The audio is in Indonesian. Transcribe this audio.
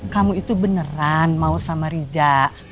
kamu itu beneran mau sama rida